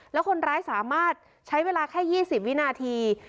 แล้วคนร้ายสามารถใช้เวลาแค่๒๐วินาที